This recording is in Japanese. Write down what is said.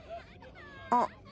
あっ？